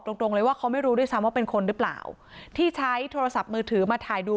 ตรงตรงเลยว่าเขาไม่รู้ด้วยซ้ำว่าเป็นคนหรือเปล่าที่ใช้โทรศัพท์มือถือมาถ่ายดู